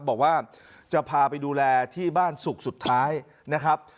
บอกว่าจะพาไปดูแลที่บ้านสุขสุดท้ายนะครับ